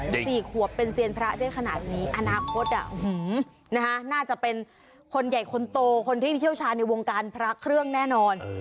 สี่ขวบเป็นเซียนพระได้ขนาดนี้อนาคตน่าจะเป็นคนใหญ่คนโตคนที่เชี่ยวชาญในวงการพระเครื่องแน่นอน